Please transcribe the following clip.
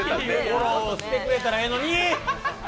フォローしてくれたらええのに。